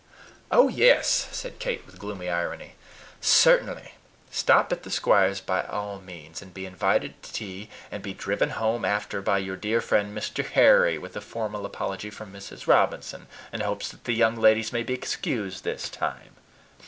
"Oh, yes!" said Kate with gloomy irony, "certainly; stop at the squire's by all means, and be invited to tea, and be driven home after by your dear friend Mr. Harry, with a formal apology from Mrs. Robinson, and hopes that the young ladies may be excused this time.